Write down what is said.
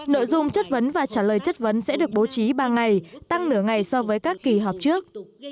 nội dung chất vấn và trả lời chất vấn sẽ được bố trí ba ngày tăng nửa ngày so với các kỳ họp trước